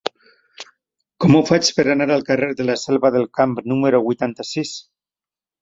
Com ho faig per anar al carrer de la Selva del Camp número vuitanta-sis?